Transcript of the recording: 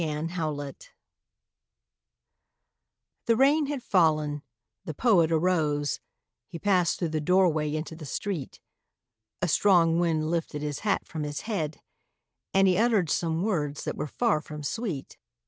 THE POET'S HAT The rain had fallen, the Poet arose, He passed through the doorway into the street, A strong wind lifted his hat from his head, And he uttered some words that were far from sweet.